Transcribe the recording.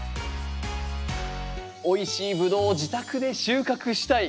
おいしいブドウを自宅で収穫したい。